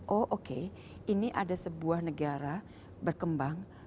oh oke ini ada sebuah negara berkembang